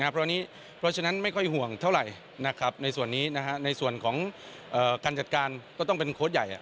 เพราะฉะนั้นไม่ค่อยห่วงเท่าไหร่ในส่วนนี้ในส่วนของการจัดการก็ต้องเป็นโค้ชใหญ่